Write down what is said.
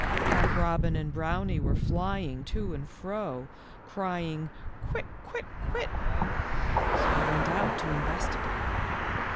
Cock robin and Brownie were fly ing to and fro, crying, " Quit, quit, quit," so I went out to investigate.